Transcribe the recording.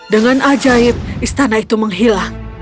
dengan ajaib istana itu menghilang